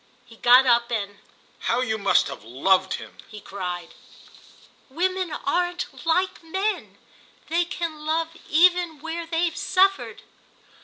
He got up and "How you must have loved him!" he cried. "Women aren't like men. They can love even where they've suffered."